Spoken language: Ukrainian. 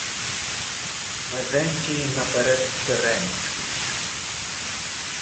Мезентій наперед тирренський